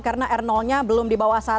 karena r nya belum di bawah satu